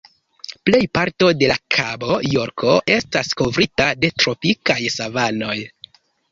Plej parto de la Kabo Jorko estas kovrita de tropikaj savanoj.